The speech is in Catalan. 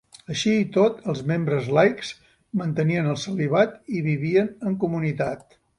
Així i tot, els membres laics mantenien el celibat i vivien en comunitat.